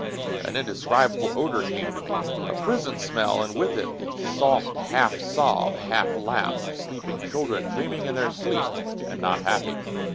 An indescribable odor came to me, a prison smell and with it the soft half sob, half laugh of sleeping children, dreaming in their sleep, and not happy.